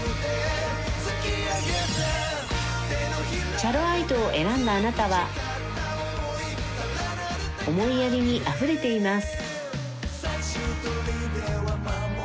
チャロアイトを選んだあなたは思いやりにあふれています